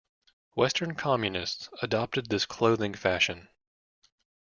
Western communists adopted this clothing fashion.